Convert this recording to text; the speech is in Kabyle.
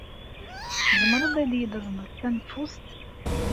Tzemreḍ ad iyi-d-tazneḍ taneḍfust?